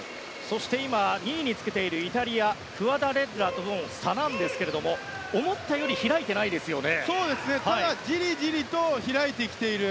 ２位につけているイタリアクアダレッラとの差ですが思ったより開いてないですね。